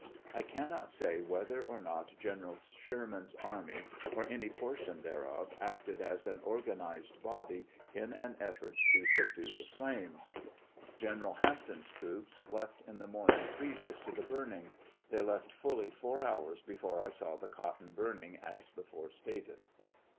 1 can not say whether or not General Sherman's army, or any portion thereof, acted as an organized body in an effort to subdue the flames. General Hampton's troops left in the morning previous to the burning. They left fuUv four hours before I saw the cotton burning as before stated.